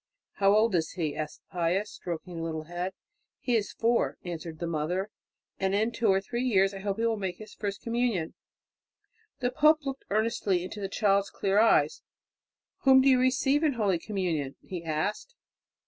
"How old is he?" asked Pius, stroking the little head. "He is four," answered the mother, "and in two or three years I hope he will make his first communion." The pope looked earnestly into the child's clear eyes. "Whom do you receive in holy communion?" he asked.